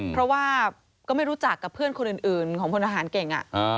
เพราะว่าก็ไม่รู้จักกับเพื่อนคนอื่นของพลทหารเก่ง